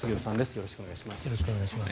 よろしくお願いします。